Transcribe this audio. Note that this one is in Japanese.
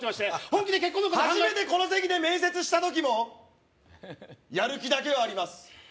本気で結婚のこと初めてこの席で面接した時もやる気だけはあります